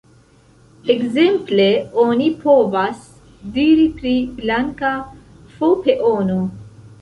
Ekzemple, oni povas diri pri "blanka f-peono".